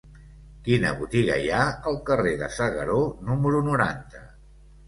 Quina botiga hi ha al carrer de S'Agaró número noranta?